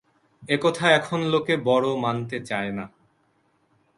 এ-কথা এখন লোকে বড় মানতে চায় না।